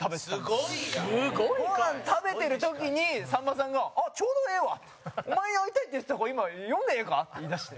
ごはん食べてる時にさんまさんが「ちょうどええわ。お前に会いたいって言ってた子今、呼んでええか」って言いだして。